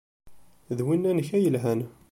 D winna-nnek ay yelhan.